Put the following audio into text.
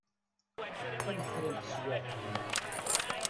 Qqim kra n tewiɛt dina.